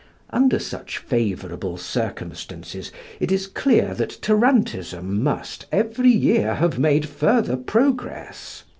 Under such favourable circumstances, it is clear that tarantism must every year have made further progress.